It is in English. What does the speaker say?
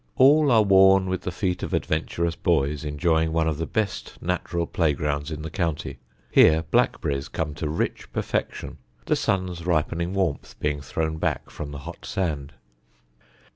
All are worn with the feet of adventurous boys enjoying one of the best natural playgrounds in the county. Here blackberries come to rich perfection, the sun's ripening warmth being thrown back from the hot sand.